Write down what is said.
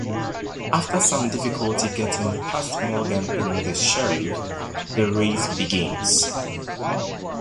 After some difficulty getting past Morgan and the Sheriff, the race begins.